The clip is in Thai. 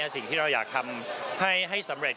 สิ่งที่เราอยากทำให้สำเร็จ